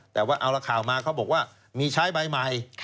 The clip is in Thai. แต่ว่าเอาละข่าวมาเขาบอกว่ามีใช้ใบใหม่